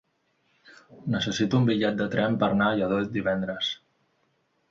Necessito un bitllet de tren per anar a Lladó divendres.